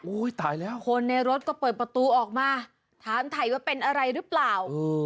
ตายแล้วคนในรถก็เปิดประตูออกมาถามถ่ายว่าเป็นอะไรหรือเปล่า